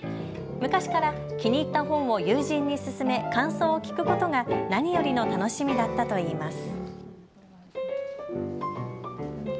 昔から気に入った本を友人に勧め感想を聞くことが何よりの楽しみだったといいます。